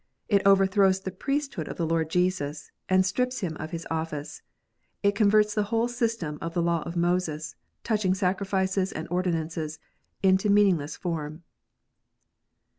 It overthrows the priesthood of the Lord Jesus, and strips Him of His office. It converts the whole system of the law of Moses, touching sacrifices and ordinances, into a meaning less form.